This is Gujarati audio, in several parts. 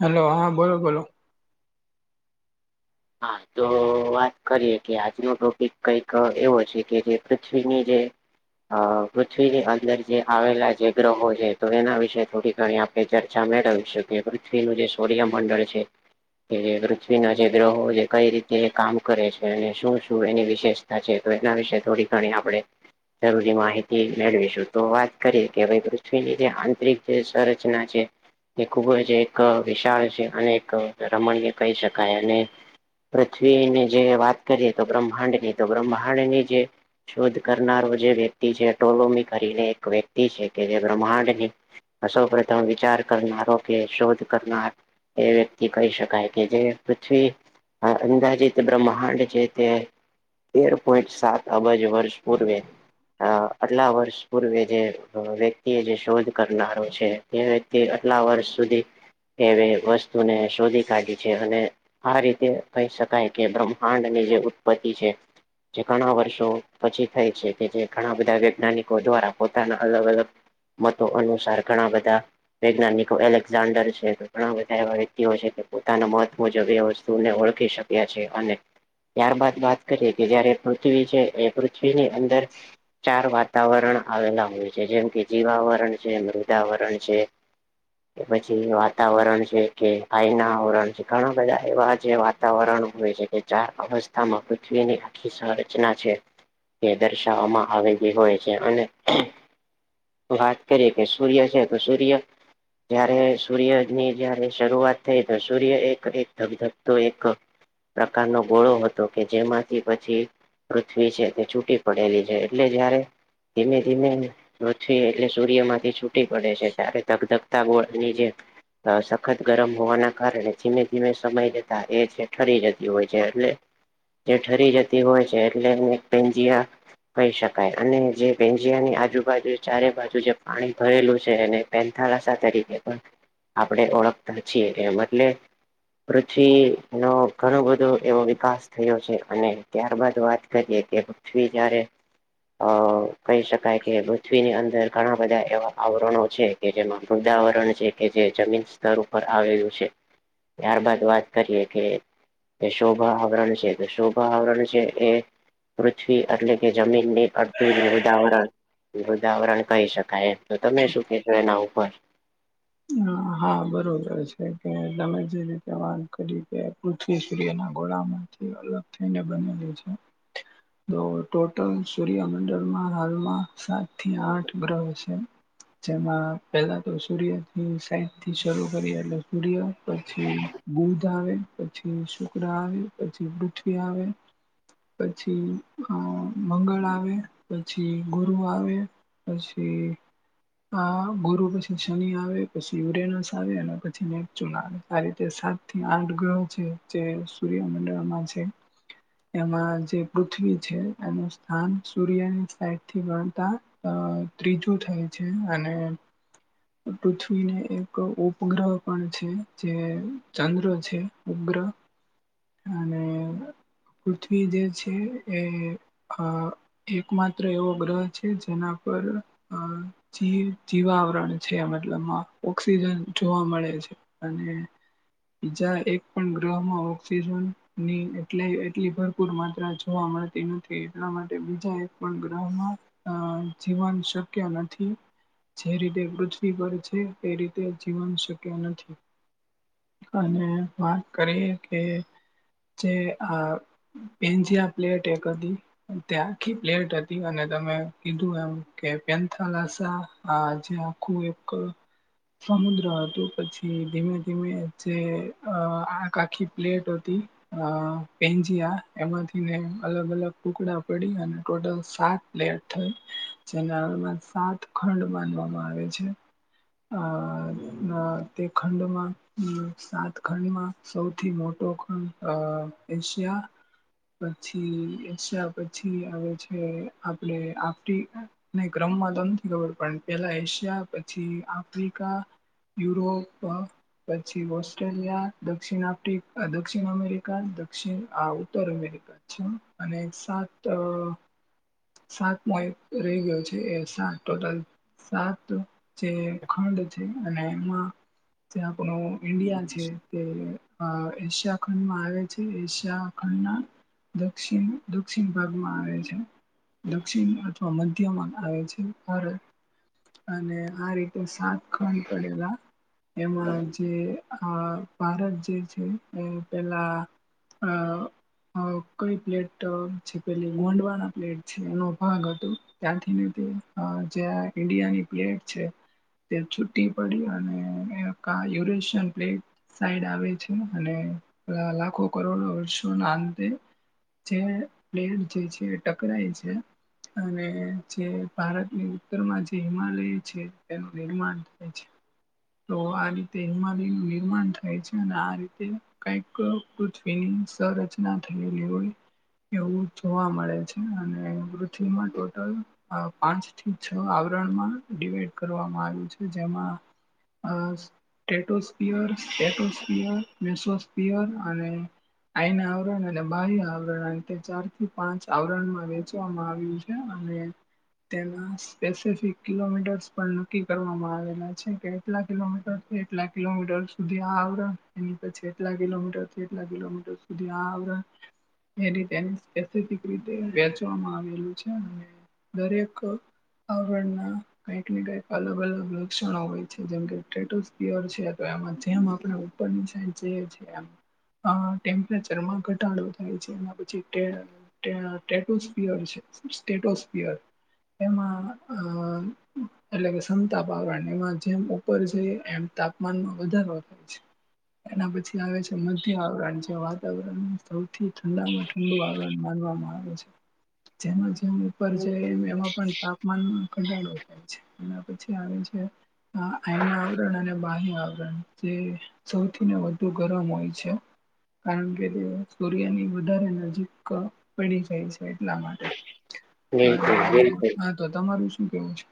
હલો હા બોલો બોલો. હા તો વાત કરીએ કે આજનો ટોપિક કઈક એવો છે કે જે પૃથ્વીની જે અ પૃથ્વીની અંદર જે આવેલા જે ગ્રહો છે તો એના વિશે થોડી ઘણી આપ પે ચર્ચા મેળવી શકીએ પૃથ્વીનું જે સૂર્યમંડળ છે કે પૃથ્વીના જે ગ્રહો જે કઈ રીતે કામ કરે છે અને શું શું એની વિશેષતા છે તો એના વિશે થોડી ઘણી આપણે જરૂરી માહિતી મેળવીશું. તો વાત કરીએ કે ભાઈ પૃથ્વીની જે આંતરિક જે સંરચના છે. એ ખુબજ એક વિશાળ છે અને એક રમણીય કહી શકાય અને. પૃથ્વીની જે વાત કરીએ તો બ્રહ્માંડની તો બ્રહ્માંડની જે શોધ કરનારો જે વ્યક્તિ છે ટોલોમી કરીને એક વ્યક્તિ છે કે જે બ્રહ્માંડની આ સૌ પ્રથમ વિચાર કરનારો કે શોધ કરનાર એ વ્યક્તિ કહી શકાય કે જે પૃથ્વી. અંદાજીત બ્રહ્માંડ છે તે તેર પોઈન્ટ સાત. અબજ વર્ષ પૂર્વે. અ આટલા વર્ષ પૂર્વે જે વ્યક્તિ એ જે શોધ કરનારો છે. એ વ્યક્તિ આટલા વર્ષ સુધી એવી વસ્તુને શોધી કાઢી છે અને. આ રીતે કહી શકાય કે બ્રહ્માંડ ની જે ઉત્પત્તિ છે. જે ઘણા વર્ષો પછી થાય છે કે જે ઘણા બધા વૈજ્ઞાનિકો દ્વારા પોતાના અલગ અલગ. મતો અનુસાર ઘણા બધા. વૈજ્ઞાનિકો એલેક્ઝાન્ડર છે ઘણા બધા એવા વ્યક્તિઓ છે પોતાના મત મુજબ એવ છે. વતુને ઓળખી શક્યા છે અને. ત્યારબાદ વાત કરીએ કે જયારે પૃથ્વી છે એ પૃથ્વીની અંદર. ચાર વાતાવરણ આવેલા હોય છે જેમ કે જીવાવરણ છે મૃદાવરણ છે. કે પછી વાતાવરણ છે કે આયના આવરણ છે ઘણા બધા એવા. જે વાતાવરણ હોય છે કે ચાર અવસ્થામાં પૃથ્વીની આખી સંરચના છે. તે દર્શાવવામાં આવેલી હોય છે અને. વાત કરીએ કે સૂર્ય છે તો સૂર્ય. જય્યારે સૂર્ય ની જયારે શરૂઆત થઈ તો સૂર્ય એક એક ધકધક. તો એક પ્રકારનો ગોળો હતો કે જેમાંથી પછી. પૃથ્વી છે તે છૂટી પડેલી છે એટલે જયારે. ધીમે ધીમે પૃથ્વી એટલે સૂર્ય માંથી છૂટી પડે છે ત્યારે ધક ધક. તા ગોળની જે સખત ગરમ હોવાના કારણે ધીમે ધીમે સમય જ. એ છે ઠરી જતી હોય છે એટલે. જે ઠરી જતી હોય છે એટલે પેજીયા. કહી શકાય અને જે ભેંજીયાની આજુબાજુ ચારે બાજુ જે પાણી ભરેલું છે એને. પેથ તરીકે પણ આપણે ઓળખતા છીએ એમ એટલે. પછી નો ઘણો બધો એવો વિકાસ થયો છે અને ત્યારબાદ વાત કરીએે કે. પૃથ્વી જારે અ કહી શકાય કે પૃથ્વીની અંદર. ઘણા બધા એવા આવરણો છે કે જેમાં વૃદાવરણ છે કે જે જમીન સ્તર ઉપર આવેલું છે. ત્યાર બાદ વાત કરીએ કે. એ શુભ આવરણ છે શુભ આવરણ છે એ. પૃથ્વી એટલે કે જમીનની અડધું જ વૃદાવરણ વૃદાવરણ કહી શકાય. તો તમે શું કેશો એના ઉપર. હા હા બરોબર છે કે તમે જે રીતે વાત કરી કે. પૃથ્વી સૂર્યના ઘોળા માંથી અલગ થઈને બનેલું છે. તો ટોટલ સૂર્યમંડળમાં હાલમાં સાત થી આઠ ગ્રહ છે. જેમાં પેલા તો સૂર્ય. સાઈ થી શરૂ કરીએ એટલે સૂર્ય પછી બુધ આવે. પછી શુક્ર આવે પછી પૃથ્વી આવે. પછી અ મંગળ આવે પછી ગુરુ આવે. પછી આ ગુરુ પછી શનિ આવે. પછી યુરેનસ આવે અને પછી નેચુ ના આવે આ રીતે સાત થી આઠ ગ્રહો છે. જે સૂર્યમંડળમાં છે. એમાં જે પૃથ્વી છે એનું સ્થાન સૂર્યની સાઈડ થી ગણતા. અ ત્રીજું થાય છે અને પૃથ્વી. એને એક ઉપગ્રહ પણ છે જે ચંદ્ર છે ઉપગ્રહ. અને પૃથ્વી જે છે એ આ એક માત્ર એવો ગ્રહ છે જેના પર અ જી જીવાવરણ છે મતલબ. ઓક્સિજન જોવા મળે છે અને. બીજા એક પણ ગ્રહમાં ઓક્સિજન ની એટલે એટલી ભર. ુર માત્રા જોવા મળતી નથી એટલા માટે બીજા એક પણ ગ્રહમાં. અ જીવન શક્ય નથી જે રીતે પૃથ્વી પર છે. એ રીતે જીવન શક્ય નથી. અને વાત કરીએ કે જે આ ભેન્ઝિયા પ્લેટ એ કદી ત્યાં આખી પ્લેટ હતી અને તમે કીધું એમ કે પેથલાસા આ જ્યાં કોઈ એક સમુદ્ર હતું પછી ધીમે ધીમે જે આ આખી પ્લેટ હતી અ પેન્જીયા એમાંથી ને અલગ અલગ ટુકડા પડી અને ટોટલ સાત જે થઈ જેના સાત ખંડ માનવામાં આવે છે. આ અ તે ખંડમાં સાત ખંડમાં સૌથી મોટો ખંડ એશિયા પછી પછી આવે છે આપણે આ ક્રમમાં તો નથી ખબર પણ પેલા એશિયા પછી આફ્રિકા યુરોપ પછી ઓસ્ટ્રેલિયા દક્ષિણ આફ્ર દક્ષિણ અમેરિકા દક્ષિણ આ ઉત્તર અમેરિકા અચ્છા અને સાત સાત મો એક રહી ગયો છે એ સાત ટોટલ સાત જે ખંડ છે અને એમાં જે આપનું ઈન્ડિયા છે તે માં એશિયા ખંડ માં આવે છે એશિયા ખંડના દક્ષિણ દક્ષિણ ભાગમાં આવે છે. દક્ષિણ અથવા મધ્યમાંન આવે છે અને આ રીતે તો સાત ખંડ પડેલા એમાં જે આ ભારત જે છે એ પેલા અ અ કઈ પ્લેટ જે પેલી ગોંડવાના પ્લેટ છે એનો ભાગ હતો. ત્યાંથી જે ઇન્ડિયાની પ્લેયર છે. ત્યાં છુટી પડી અને યુરેશિયન પ્લેટ સાઈડ આવે છે અને લાખો કરોડો વર્ષો ના અંતે જે પ્લેડ જે છે ટકરાય છે. અને જે ભારતની ઉત્તરમાં જે હિમાલય છે. એનું નિર્માણ થાય છે. તો આ રીતે હિમાલયનું નિર્માણ થાય છે અને આ રીતે કઈક પૃથ્વીની સંરચના થયેલી હોય એવું જોવા મળે છે અને પૃથ્વીમાં ટોટલ પાંચ થી છ આવરણમાં ડિવાઈડ કરવામાં આવ્યું છે જેમાં [unintelligible] [unintelligible] અને આઈના આવરણ અને બાહ્ય આવરણ અ ચાર થી પાંચ આવરણમાં વેચવામાં આવ્યું છે. અને તેના સ્પેસિફિક કિલોમીટર્સ પણ નક્કી કરવામાં આવેલા છે કેટલા કિલોમીટરથી એટલા કિલોમીટર સુધી આ આવણ એની પછી એટલા કિલોમીટરથી એટલા કિલોમીટર સુધી આ આવરણને એ રીતે સ્ફેસિક રીતે વેચવામાં આવેલું છે. દરેક આવરણના કઈ ને કંઈક અલગ અલગ લક્ષણો હોય છે જેમ કે [unintelligible] છે તો એમાં જેમ આપણે. પણ જે છે આમ. આ ટેમ્પરેચરમાં ઘટાડો થાય છે. એના પછી ટે ટેટોસ્પિયર છે સેટોસ્પિયર એમાં અ એટલે કે સમતાપ આવરણ એમાં જેમ ઉપર છેઈ એમ તાપમાનમાં વધારો એના પછી આવે છે મધ્ય આવરણ જે વાતાવરણ સૌથી ઠંડામાં ઠંડુ આવરણ માનવામાં આવે છે. જેમાં જેમ ઉપર જ એમ એમાં પણ તાપમાનમાં ઘટાડો થાય છે. એના પછી આવે છે [unintelligible] આવરણ અને બાહ્ય આવરણ. તે સૌથી ને વધુ ગરમ હોય છે. કારણ કે તે સૂર્યની વધારે નજીક પડી જાય છે એટલા માટે. હા, બિલકુલ હા, બિલકુલ હા તો તમારું શું કેવું છે?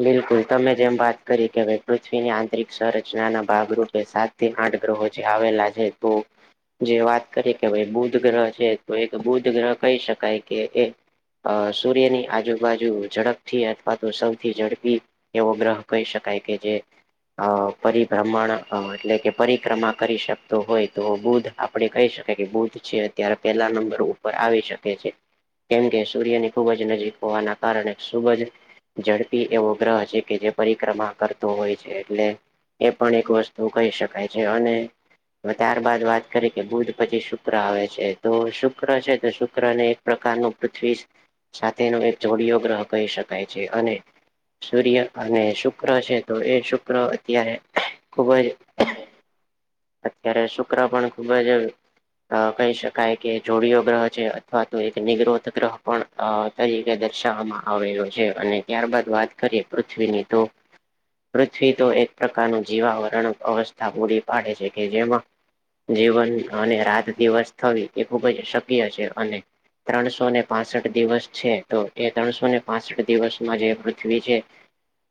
બિલકુલ. તમે જેમ વાત કરી કે હવે પૃથ્વીની આંતરિક સંરચનાના ભાગરૂપે સાત તે આઠ ગ્રહો જે આવેલા છે તો જે વાત કરી કે ભાઈ બુધ ગ્રહ છે, તો એક બુધ ગ્રહ કહી શકાય કે એ અહ સૂર્યની આજુ-બાજુ ઝડપથી અથવા તો સૌ થી ઝડપી એવો ગ્રહ કહી શકાય કે જે અહ પરિભ્રમણ અહ એટલે કે પરિક્રમા કરી શકતો હોય તો બુધ આપણે કહી શકીએ કે બુધ છે એ અત્યારે પેલા નંબર ઉપર આવી શકે છે. કેમ કે સૂર્યની ખુબ જ નજીક હોવાના કારણે સૂરજ ઝડપી એવો ગ્રહ છે કે જે પરિક્રમા કરતો હોય છે એટલે એ પણ એક વસ્તુ કહી શકાય છે. અને હવે ત્યારબાદ વાત કરી કે બુધ પછી શુક્ર આવે છે, તો શુક્ર છે તો શુક્રને પ્રકારનું પૃથ્વી સાથેનો એક જોડિયો ગ્રહ કહી શકાય છે. અને સૂર્ય અને શુક્ર છે, તો એ શુક્ર અત્યારે ખુબજ [inaudible] અત્યારે શુક્ર પણ ખુબ જ અહ કહી શકાય કે જોડિયો ગ્રહ છે. અથવા તો એક નિગરોધ ગ્રહ પણ અહ તરીકે દર્શાવવામાં આવેલો છે. અને ત્યારબાદ વાત કરીએ પૃથ્વીની તો પૃથ્વી તો એક પ્રકારનું જીવાવરણ અવસ્થા પૂરી પાડે છે, કે જેમાં જીવન અને રાત દિવસ થવી એ ખુબ જ શક્ય છે અને ત્રણસો ને પાસઠ દિવસ છે તો એ ત્રણસો ને પાસઠ દિવસમાં જે પૃથ્વી છે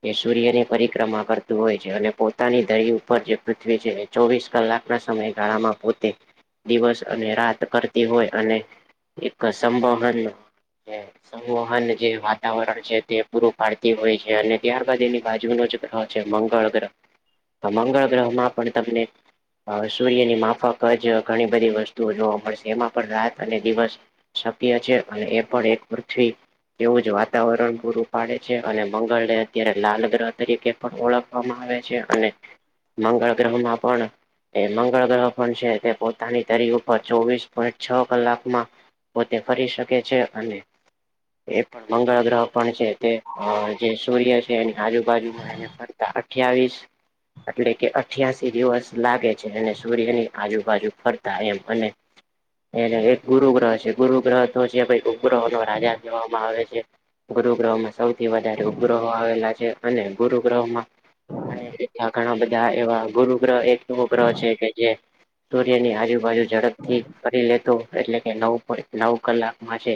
એ સૂર્ય ની પરિક્રમા કરતું હોય છે અને પોતાની ધરી ઉપર જે પૃથ્વી છે એ ચોવીસ કલાકના સમયગાળામાં પોતે દિવસ અને રાત કરતી હોય અને એક સંભવનહર નો ને સંવહન જે વાતાવરણ છે તે પૂરું પાડતી હોય છે અને ત્યારબાદ એની બાજુ નો જ ગ્રહ છે મંગળ ગ્રહ. મંગળ ગ્રહમાં પણ તમને સૂર્યની માફક જ ઘણી બધી વસ્તુઓ જોવા મળશે એમાં પણ રાત અને દિવસ શક્ય છે અને એ પણ એક પૃથ્વી એવું જ વાતાવરણ પૂરું પાડે છે અને મંગળ ને અત્યારે લાલ ગ્રહ તરીકે પણ ઓળખવામાં આવે છે અને મંગળ ગ્રહમાં પણ એ મંગળ ગ્રહ પણ છે તે પોતાની ધરી ઉપર ચોવીસ પોઈન્ટ છ કલાકમાં પોતે ફરી શકે છે અને એ પણ મંગળ ગ્રહ પણ છે તે અ જે સૂર્ય એની આજુબાજુમાં એને ફરતા અઠ્યાવીસ એટલે કે અઠ્યાસી દિવસ લાગે. અને સૂર્યની આજુબાજુ ફરતા એમ અને એને એક ગુરુ ગ્રહ છે ગુરુ ગ્રહ તો જે ભઈ ઉપગ્રહો નો રાજા કહેવામાં આવે છે ગુરુ ગ્રહોમાં સૌથી વધારે ઉપગ્રહો આવેલા છે. અને ગુરુ ગ્રહમાં આપડે આ ઘણા બધા એવા ગુરુ ગ્રહ એક ગ્રહ છે કે જે સૂર્યની આજુબાજુ ઝડપથી કરી લેતો એટલે કે નવ પર નવ કલાકમાં છે.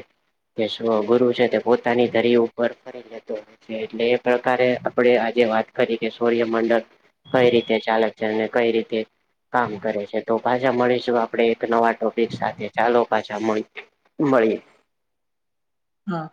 કે [inaudible] ગુરુ છે તે પોતાની ધરી ઉપર યે તો એટલે એ પ્રકારે આપણે આજે વાત કરી કે સૂર્યમંડળ કંઈ રીતે ચાલક છે, અને કંઈ રીતે કામ કરે છે. તો પાછા મળીશું આપણે એક નવા ટોપિક સાથે. ચાલો પાછા [unintelligible] મળીએ. હા.